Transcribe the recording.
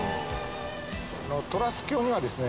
トラス橋にはですね